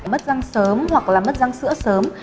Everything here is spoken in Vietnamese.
mất răng sớm hoặc là mất răng sữa sớm